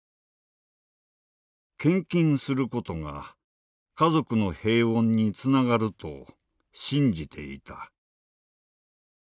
献金することが家族の平穏につながると信じていた。